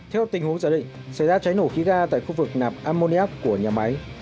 theo tình huống giả định xảy ra cháy nổ khí ga tại khu vực nạp ammonec của nhà máy